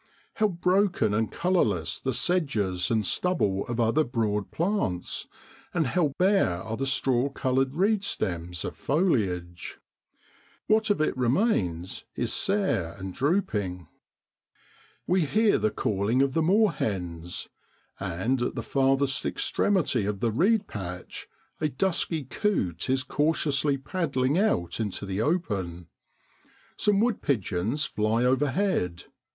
How broken and colourless the sedges and stubble of other broad plants, and how bare are the straw coloured reedstems of foliage! what of it remains is FEBRUARY IN BROADLAND. 21 sere and drooping. We hear the calling of the moorhens, and at the farthest extremity of the reed patch a dusky coot is cautiously paddling out into the open. Some wood pigeons fly overhead.